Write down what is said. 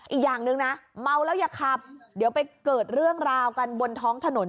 อีกอย่างหนึ่งนะเมาแล้วอย่าขับเดี๋ยวไปเกิดเรื่องราวกันบนท้องถนน